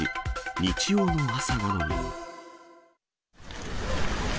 日曜の朝なのに。